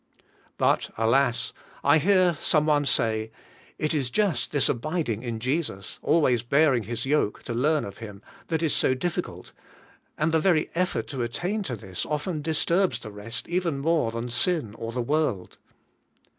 But, alas! I hear some one say, it is just this abiding in Jesus, always bearing His yoke, to learn of Him, that is so difficult, and the very efl:ort to attain to this often disturbs the rest even more than sin or the world.